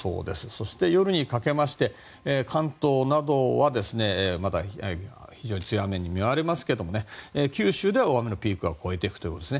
そして、夜にかけまして関東などはまた非常に強い雨に見舞われますが九州では大雨のピークは越えていくということです。